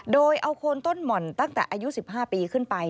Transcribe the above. โดยเอาโคนต้นหม่อนตั้งแต่อายุ๑๕ปีขึ้นไป